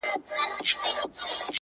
نه پوهېږم چي په څه سره خـــنـــديــــږي,